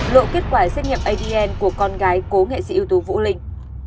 lộ kết quả xét nghiệm adn của con gái cố nghệ sĩ ưu tú vũ linh